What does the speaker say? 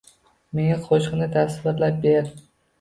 “Menga qo‘shiqni tasvirlab ber”